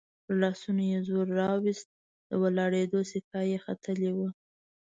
پر لاسونو يې زور راووست، د ولاړېدو سېکه يې ختلې وه.